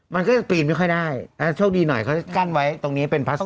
มันก็เปลี่ยนไม่ค่อยได้แต่ช่วงดีหน่อยเขากั้นไว้ตรงนี้เป็นพลาสติก